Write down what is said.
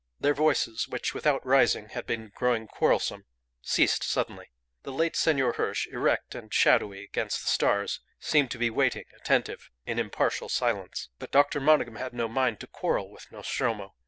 Their voices, which without rising had been growing quarrelsome, ceased suddenly. The late Senor Hirsch, erect and shadowy against the stars, seemed to be waiting attentive, in impartial silence. But Dr. Monygham had no mind to quarrel with Nostromo.